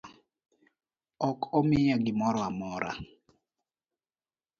Ok omiya gimoramora